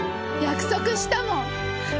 約束したもん。